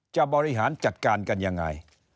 บริหารจัดการกันยังไง